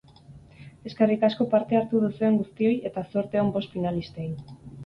Eskerrik asko parte hartu duzuen guztioi eta zorte on bost finalistei!